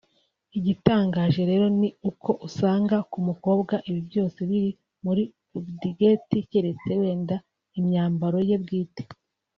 Igitangaje rero ni uko usanga ku mukobwa ibi byose biri muri budget keretse wenda imyambaro ye bwite